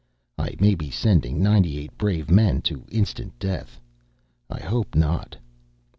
"I may be sending ninety eight brave men to instant death. I hope not."